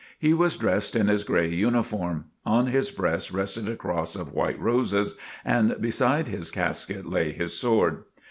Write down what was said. He was dressed in his gray uniform. On his breast rested a cross of white roses and beside his casket lay his sword.